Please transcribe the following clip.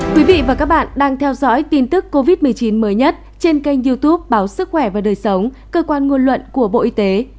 các bạn đang theo dõi tin tức covid một mươi chín mới nhất trên kênh youtube báo sức khỏe và đời sống cơ quan nguồn luận của bộ y tế